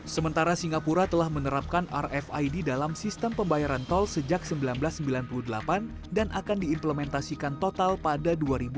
sementara singapura telah menerapkan rfid dalam sistem pembayaran tol sejak seribu sembilan ratus sembilan puluh delapan dan akan diimplementasikan total pada dua ribu dua puluh